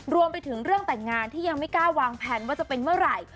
รวมไปถึงเรื่องแต่งงานที่ยังไม่กล้าวางแผนว่าจะเป็นเมื่อไหร่